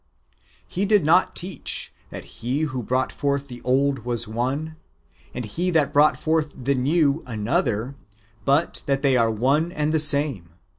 "^*^ He did not teach that he who brought forth the old was one, and he that brought forth the new, another; but that they were one and the same.